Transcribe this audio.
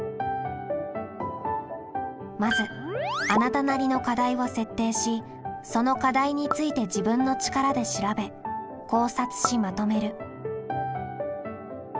まずあなたなりの課題を設定しその課題について自分の力で調べ考察しまとめる。